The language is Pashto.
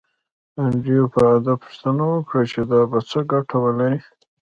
انډریو په ادب پوښتنه وکړه چې دا به څه ګټه ولري